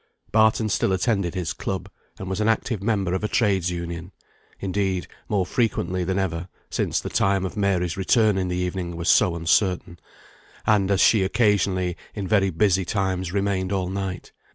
Barton still attended his club, and was an active member of a trades' union; indeed, more frequently than ever, since the time of Mary's return in the evening was so uncertain; and, as she occasionally, in very busy times, remained all night.